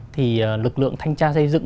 thì lực lượng thanh tra xây dựng